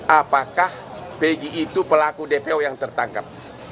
apakah pg itu pelaku dpo yang tertangkap